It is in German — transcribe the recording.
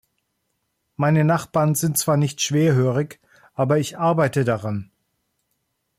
Meine Nachbarn sind zwar nicht schwerhörig, aber ich arbeite daran.